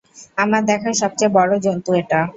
আমার দেখা সবচেয়ে বড়ো জন্তু এটা।